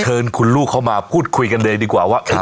เชิญคุณลูกเข้ามาพูดคุยกันเลยดีกว่าว่า